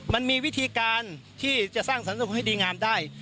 มันมีวิธีการที่จะสร้างสรรค์สร้างสรรค์ให้ดีงามได้